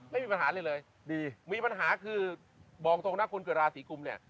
ไม่มีปัญหาอะไรเลยดีมีปัญหาคือบอกตรงนะคนเกิดราศีกุมเนี่ย